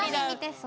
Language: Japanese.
そう！